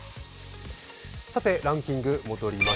さて、ランキングに戻ります。